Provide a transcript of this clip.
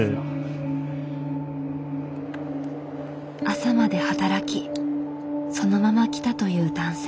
朝まで働きそのまま来たという男性。